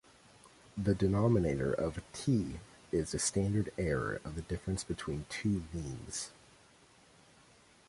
The denominator of "t" is the standard error of the difference between two means.